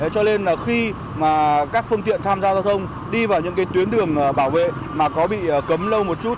cho nên là khi mà các phương tiện tham gia giao thông đi vào những tuyến đường bảo vệ mà có bị cấm lâu một chút